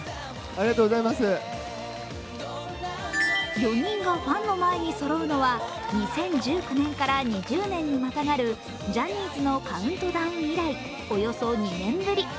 ４人がファンの前にそろうのは２０１９年から２０年にまたがるジャニーズのカウントダウン以来、およそ２年ぶり。